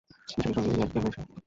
মিশেলের সঙ্গে এই ইয়ার্কি কে মেরেছে?